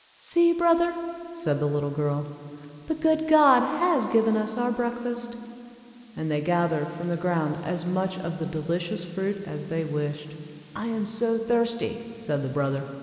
"See, brother," said the little girl, "the good God has given us our breakfast;" and they gathered from the ground as much of the delicious fruit as they wished. "I am so thirsty," said the brother.